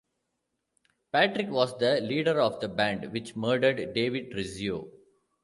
Patrick was the leader of the band which murdered David Rizzio.